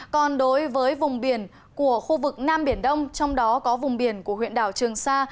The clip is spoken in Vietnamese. còn đối với vùng biển của khu vực nam biển đông trong đó có vùng biển của huyện đảo trường sa